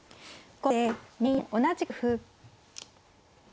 後手２四同じく歩。